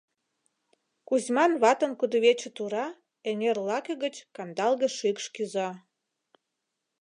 Кузьман ватын кудывече тура эҥер лаке гыч кандалге шикш кӱза.